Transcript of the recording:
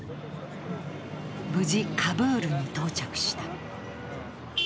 無事、カブールに到着した。